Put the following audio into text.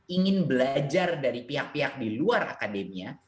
ingin belajar dari pihak pihak di luar akademia